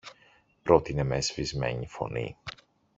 πρότεινε με σβησμένη φωνή.